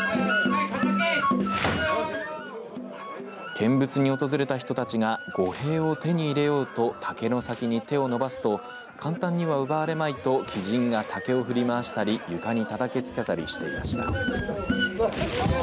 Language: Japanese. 見物に訪れた人たちが御幣を手に入れようと竹の先に手を伸ばすと簡単には奪われまいと鬼神が竹を振り回したり床にたたきつけたりしていました。